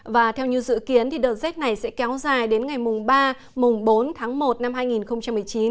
và theo như dự kiến đợt rét này sẽ kéo dài đến ngày mùng ba mùng bốn tháng một năm hai nghìn một mươi chín